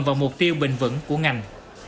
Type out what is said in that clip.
vào mục tiêu bình vững của ngành